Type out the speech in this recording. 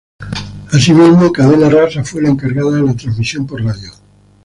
Asimismo Cadena Rasa fue la encargada de la transmisión por radio.